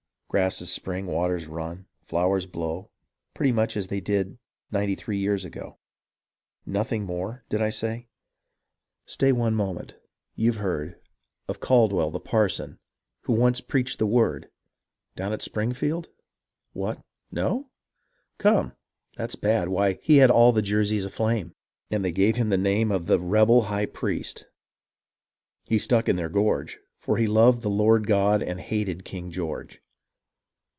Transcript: Grasses spring, waters run, flowers blow, Pretty much as they did ninety three years ago. Nothing more, did I say ? Stay one moment, you've heard 288 HISTORY OF THE AMERICAN REVOLUTION Of Caldwell, the parson, who once preached the Word Down at Springfield ? What ! no ? Come — that's bad ; why, he had All the Jerseys aflame ! And they gave him the name Of the " rebel high priest." He stuck in their gorge, For he loved the Lord God and he hated King George.